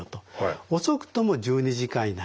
遅くとも１２時間以内ですね。